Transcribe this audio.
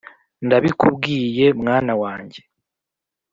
ndabikubwiye mwana wanjye,